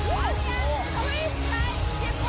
ได้ผู้โครงดีแล้ว